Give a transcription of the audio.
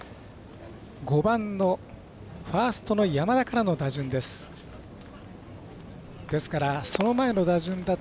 ５番のファーストの山田からの打順です。